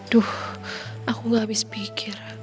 duh aku gak habis pikir